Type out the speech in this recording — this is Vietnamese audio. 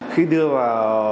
khi đưa vào